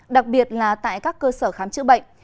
đặc biệt là tại các cơ sở khám chữa bệnh